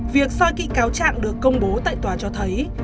việc soi kỹ cáo trạng được công bố tại tòa cho thấy